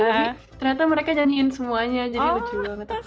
tapi ternyata mereka nyanyiin semuanya jadi lucu banget aku